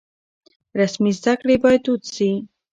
رسمي زده کړې بايد دود شي.